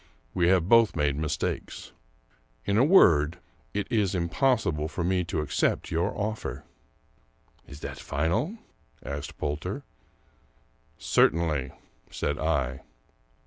We have both made mistakes. In a word, it is impossible for me to accept your offer 1 "" Is that final? " asked Poulter. " Certainly," said I.